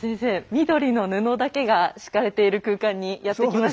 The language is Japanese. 緑の布だけが敷かれてる空間にやって来ました。